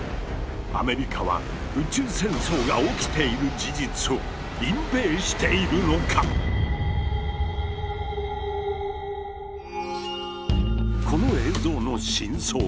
アメリカは宇宙戦争が起きている事実を隠蔽しているのか⁉この映像の真相とは？